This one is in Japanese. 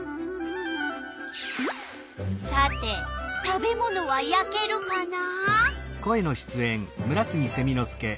さて食べ物はやけるかな？